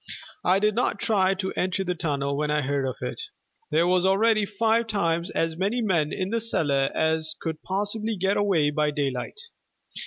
I did not try to enter the tunnel when I heard of it; there was already five times as many men in the cellar as could possible get away by daylight.